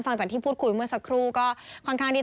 ฟังจากที่พูดคุยเมื่อสักครู่ก็ค่อนข้างที่